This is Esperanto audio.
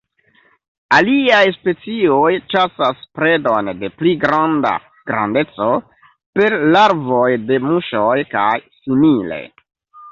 Aliaj specioj ĉasas predon de pli granda grandeco: per larvoj de muŝoj kaj simile.